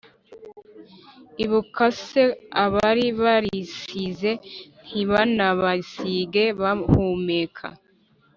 Ibuka se abari barisize Ntibanabasige bahumeka !